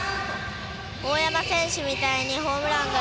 大山選手みたいにホームランが